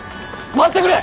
待ってくれ！